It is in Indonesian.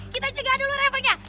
kita cegah dulu refanya